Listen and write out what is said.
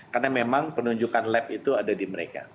karena memang penunjukan lab itu ada di mereka